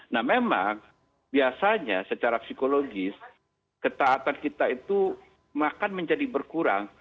nah memang biasanya secara psikologis ketaatan kita itu akan menjadi berkurang